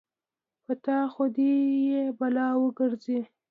په تا خو دې يې بلا وګرځې.